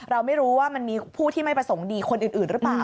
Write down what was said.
เราไม่รู้ว่ามันมีผู้ที่ไม่ประสงค์ดีคนอื่นหรือเปล่า